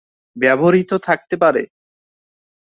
ব্যবহৃত থাকতে পারে।